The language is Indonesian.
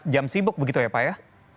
jam sibuk begitu ya pak ya